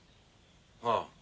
ああ